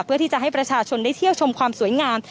เพื่อที่จะให้ประชาชนได้เที่ยวชมความสวยงาม